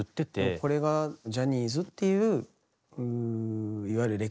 これはジャニーズっていういわゆる歴史から言うと。